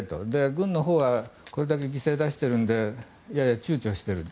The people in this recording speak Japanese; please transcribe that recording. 軍のほうはこれだけ犠牲出してるんでやや躊躇している。